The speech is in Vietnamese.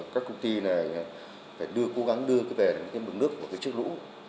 các công ty phải cố gắng đưa về mực nước của chiếc lũ